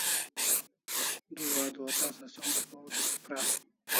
Du adua tasa som apaw pra